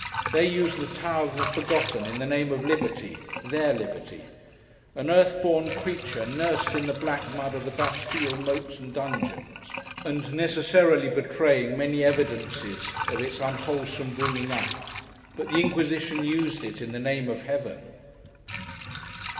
They used the Tower of the Forgotten, in the name of Liberty—their liberty; an earth born creature, nursed in the black mud of the Bastile moats and dungeons, and necessarily betraying many evidences of its unwholesome bringing up—but the Inquisition used it in the name of Heaven.